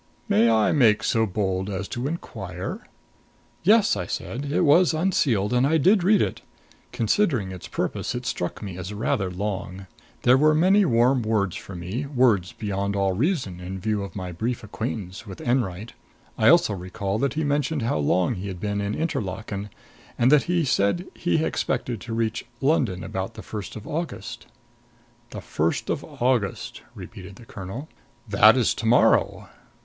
May I make so bold as to inquire " "Yes," said I. "It was unsealed and I did read it. Considering its purpose, it struck me as rather long. There were many warm words for me words beyond all reason in view of my brief acquaintance with Enwright. I also recall that he mentioned how long he had been in Interlaken, and that he said he expected to reach London about the first of August." "The first of August," repeated the colonel. "That is to morrow.